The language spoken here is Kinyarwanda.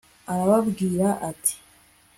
arababwira ati